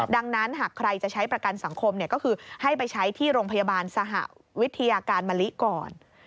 ดังนั้นหากใครจะใช้ประกันสังคมก็คือให้ไปใช้ที่โรงพยาบาลสหวิทยาการมะลิก่อน